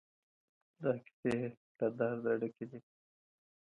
دا کيسې له درده ډکې دي.